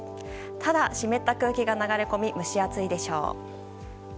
ただ、湿った空気が流れ込み蒸し暑いでしょう。